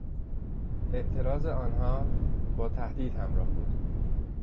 اعتراض آنان با تهدید همراه بود.